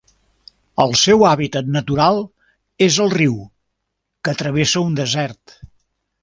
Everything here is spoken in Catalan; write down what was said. El seu hàbitat natural és el riu, que travessa un desert.